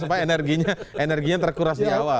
supaya energinya terkuras di awal